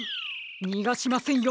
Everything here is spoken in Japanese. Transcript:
にがしませんよ